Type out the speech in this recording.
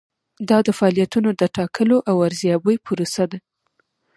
دا د فعالیتونو د ټاکلو او ارزیابۍ پروسه ده.